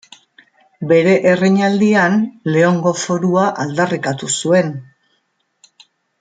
Bere erreinaldian Leongo Forua aldarrikatu zuen.